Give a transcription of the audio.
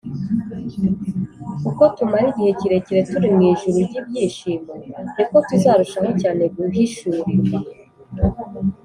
uko tumara igihe kirekire turi mu ijuru ry’ibyishimo, ni ko tuzarushaho cyane guhishurirwa